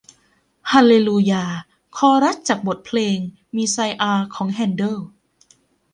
ฮาลเลลูยาคอรัสจากบทเพลงมีไซอาห์ของแฮนเดิล